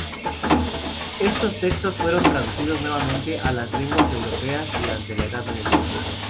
Estos textos fueron traducidos nuevamente a las lenguas europeas durante la Edad Media.